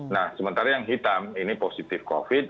nah sementara yang hitam ini positif covid